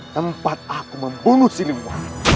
tempat aku membunuh si limbo